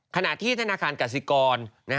ขณะที่ธนาคารกสิกร